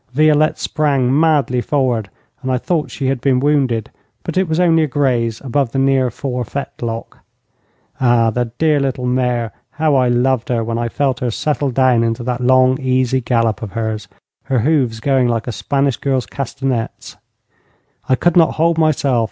Violette sprang madly forward, and I thought she had been wounded, but it was only a graze above the near fore fetlock. Ah, the dear little mare, how I loved her when I felt her settle down into that long, easy gallop of hers, her hoofs going like a Spanish girl's castanets. I could not hold myself.